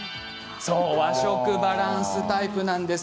そう「和食バランスタイプ」なんです。